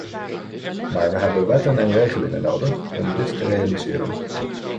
Maar we hebben wetten en regelingen nodig om dit te realiseren.